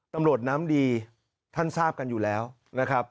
ตำรวจน้ำดีท่านทราบกันอยู่แล้วนะครับ